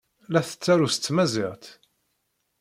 La tettaru s tmaziɣt.